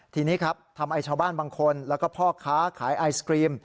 ทีนี้ครับทำให้ชาวบ้านบางคนแล้วก็พ่อค้าขายไอศกรีม